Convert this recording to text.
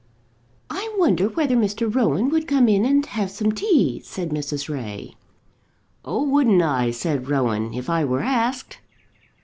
"I wonder whether Mr. Rowan would come in and have some tea," said Mrs. Ray. "Oh, wouldn't I," said Rowan, "if I were asked?"